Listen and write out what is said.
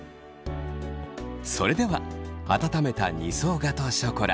それでは温めた２層ガトーショコラ。